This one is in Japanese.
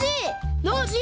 ノージー！